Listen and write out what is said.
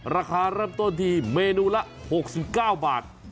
ราคาเริ่มต้นที่เมนูละ๖๙บาท